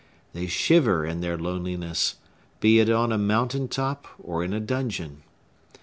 They shiver in their loneliness, be it on a mountain top or in a dungeon.